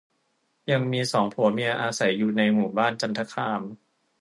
ยังมีสองผัวเมียอาศัยอยู่ในหมู่บ้านจันทคาม